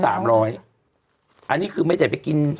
อันนี้คือไม่ได้ไปกิน